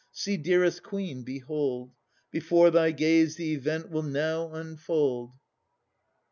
See, dearest Queen, behold! Before thy gaze the event will now unfold.